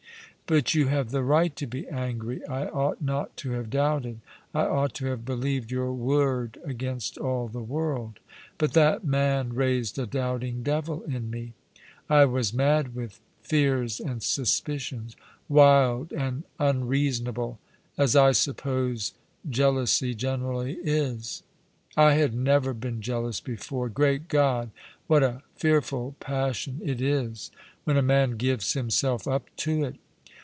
'* "But you have the right to be angry. I ought not to have doubted. I ought to have believed your word against all the world ; but that man raised a doubting devil in me. I was mad with fears and suspicions, wild and unreasonable — as I suppose jealousy generally is. I had never been jealous before. Great God ! what a fearful passion it is when a man gives himself up to it.